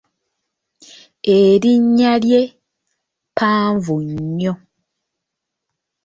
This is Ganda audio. Erinnya lye ppanvu nnyo.